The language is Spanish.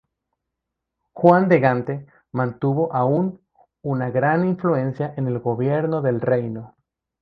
Juan de Gante mantuvo aún una gran influencia en el gobierno del reino.